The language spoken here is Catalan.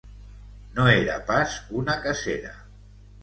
No era pas una cacera.